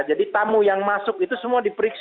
jadi tamu yang masuk itu semua diperiksa